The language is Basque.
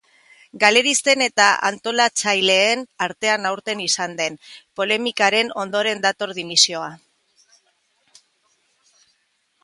Galeristen eta antolatzaileen artean aurten izan den polemikaren ondoren dator dimisioa.